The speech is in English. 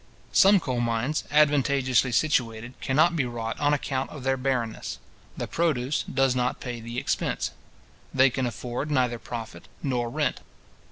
Some coal mines, advantageously situated, cannot be wrought on account of their barrenness. The produce does not pay the expense. They can afford neither profit nor rent.